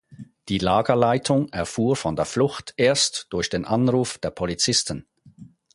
Die Lagerleitung erfuhr von der Flucht erst durch den Anruf der Polizisten.